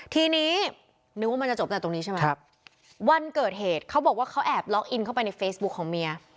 ทีนี้นึกว่ามันจะจบแต่ตรงนี้ใช่ไหมวันเกิดเหตุเขาบอกว่าเขาแอบล็อกอินเข้าไปในเฟซบุ๊คของเมีย